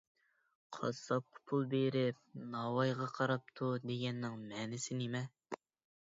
«قاسساپقا پۇل بېرىپ ناۋايغا قاراپتۇ» دېگەننىڭ مەنىسى نېمە؟